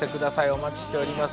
お待ちしております。